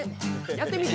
やってみて。